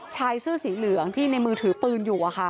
ชายเสื้อสีเหลืองที่ในมือถือปืนอยู่